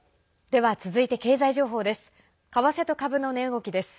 では続いて経済情報です。